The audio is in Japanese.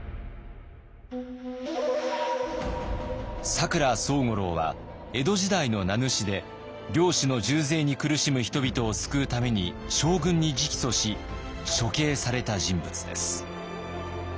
佐倉惣五郎は江戸時代の名主で領主の重税に苦しむ人々を救うために将軍に直訴し処刑された人物です。